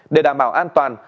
để đảm bảo an toàn